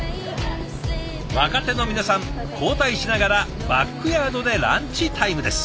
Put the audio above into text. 若手の皆さん交代しながらバックヤードでランチタイムです。